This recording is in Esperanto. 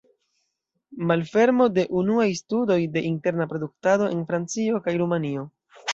Malfermo de unuaj studioj de interna produktado en Francio kaj Rumanio.